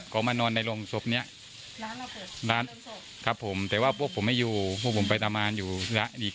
ก็มานอนในโลงศพเนี่ยครับผมแต่ว่าพวกผมไม่อยู่พวกผมไปตามร้านอยู่อ่านนก